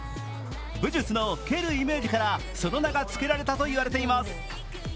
武術の蹴るイメージから、その名がつけられたといわれています。